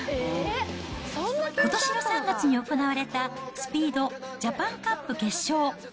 ことしの３月に行われたスピード・ジャパンカップ決勝。